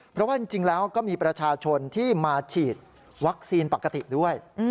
เพราะว่าจริงแล้วก็มีประชาชนที่มาฉีดวัคซีนปกติด้วย